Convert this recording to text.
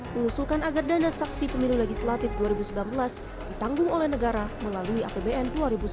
mengusulkan agar dana saksi pemilu legislatif dua ribu sembilan belas ditanggung oleh negara melalui apbn dua ribu sembilan belas